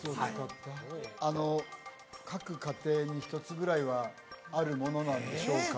あの各家庭に１つぐらいはあるものなんでしょうか？